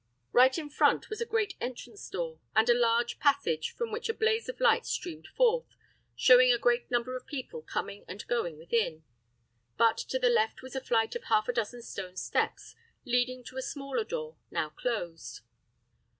Right in front was a great entrance door, and a large passage from which a blaze of light streamed forth, showing a great number of people coming and going within; but to the left was a flight of half a dozen stone steps leading to a smaller door, now closed.